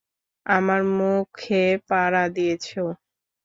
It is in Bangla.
আমার মুখে পাড়া দিয়েছ!